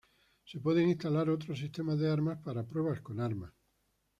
Se pueden instalar otros sistemas de armas para pruebas con armas.